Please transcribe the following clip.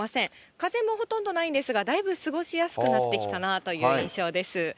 風もほとんどないんですが、だいぶ過ごしやすくなってきたなという印象です。